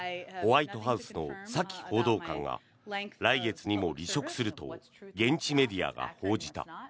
ホワイトハウスのサキ報道官が来月にも離職すると現地メディアが報じた。